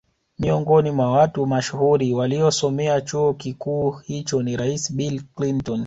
Miongoni mwa watu mashuhuri waliosomea chuo kikuu hicho ni rais Bill Clinton